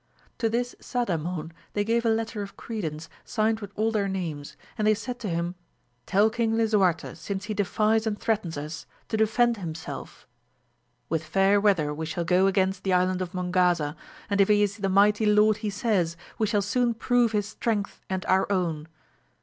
To this Sadamon they gave a letter of credence signed with all their names, and they said to him. Tell King Lisuarte since he defies and threatens us, to defend himself With fair weather we shall go against the Island of Mongaza, and if he is the mighty lord he says, we shall soon prove his strength and our dWB.